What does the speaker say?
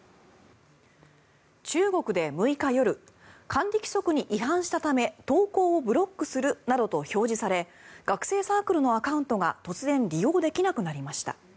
中国で６日夜管理規則に違反したため投稿をブロックするなどと表示され学生サークルのアカウントが突然利用できなくなりました。